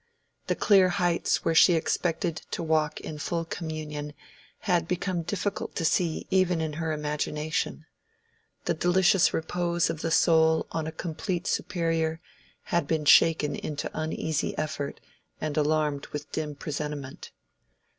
The clear heights where she expected to walk in full communion had become difficult to see even in her imagination; the delicious repose of the soul on a complete superior had been shaken into uneasy effort and alarmed with dim presentiment.